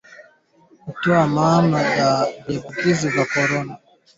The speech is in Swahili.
kutokukubaliana kulipelekea kusitishwa kwa majadiliano juu ya kuchagua nchi itakayokuwa mwenyeji